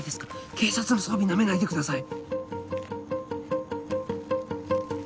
警察の装備ナメないでください。